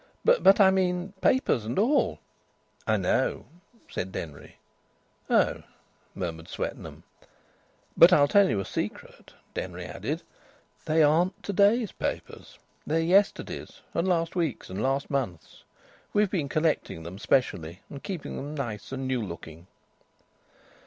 "But I mean papers and all." "I know," said Denry. "Oh!" murmured Swetnam. "But I'll tell you a secret," Denry added. "They aren't to day's papers. They're yesterday's, and last week's and last month's. We've been collecting them specially and keeping them nice and new looking."